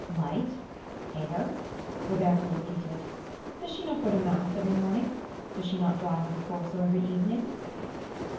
"Light? Air?" Roberto repeated. "Does she not go to mass every morning? Does she not drive on the Corso every evening?"